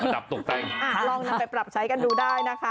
ลองไปปรับใช้กันดูได้นะคะ